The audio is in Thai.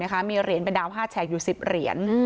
ความกล้าแชงอยู่๑๐เหรียญ